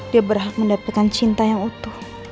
dia berhak mendapatkan cinta yang utuh